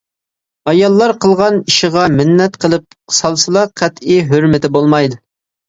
ئاياللار قىلغان ئىشىغا مىننەت قىلىپ سالسىلا قەتئىي ھۆرمىتى بولمايدۇ.